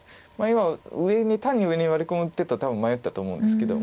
今単に上にワリ込む手と多分迷ったと思うんですけど。